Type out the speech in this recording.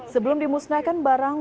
sebelum dimusnahkan barang